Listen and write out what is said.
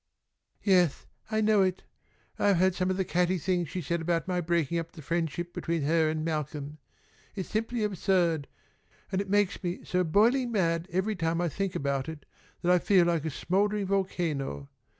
"Yes, I know it. I've heard some of the catty things she said about my breaking up the friendship between her and Malcolm. It's simply absurd, and it makes me so boiling mad every time I think about it that I feel like a smouldering volcano.